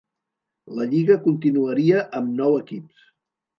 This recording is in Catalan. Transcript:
La lliga continuaria amb nou equips.